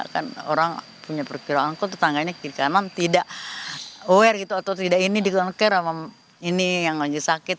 kan orang punya perkiraan kok tetangganya kiri kanan tidak aware gitu atau tidak ini dikere sama ini yang lagi sakit